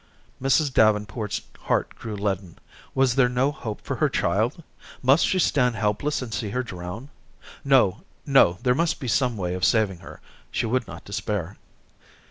Mrs. Davenport's heart grew leaden. Was there no hope for her child? Must she stand helpless and see her drown? No, no, there must be some way of saving her. She would not despair.